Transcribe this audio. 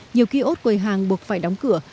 nhiều ký ốt quầy hàng buộc phải đóng cửa